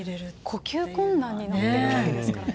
呼吸困難になっているわけですからね。